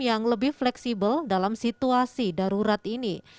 yang lebih fleksibel dalam situasi darurat ini